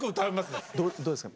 どうですか？